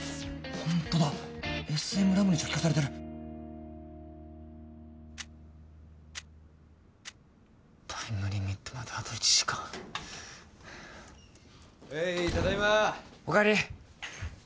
ホントだＳＭＲＡＭに初期化されてるタイムリミットまであと１時間ヘイただいまおかえり